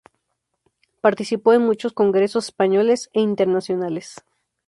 Participó en muchos congresos españoles e internacionales.